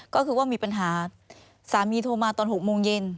ก็คือว่ามีปัญหาสามีโทรมาตอน๖โมงเย็น